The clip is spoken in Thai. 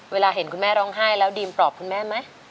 เห็นคุณแม่ร้องไห้แล้วดีมปลอบคุณแม่ไหม